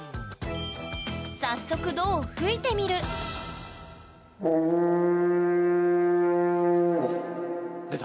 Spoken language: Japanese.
早速「ド」を吹いてみる出た？